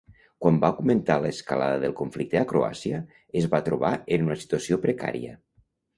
Quan va augmentar l'escalada del conflicte a Croàcia es va trobar en una situació precària.